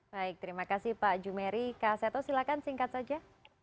baik terima kasih pak jumeri kak seto silahkan singkat saja